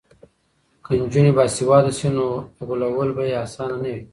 که نجونې باسواده شي نو غولول به یې اسانه نه وي.